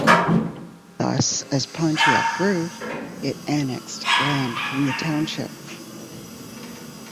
Thus, as Pontiac grew, it annexed land from the township.